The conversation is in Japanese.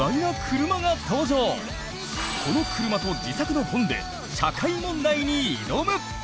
この車と自作の本で社会問題に挑む！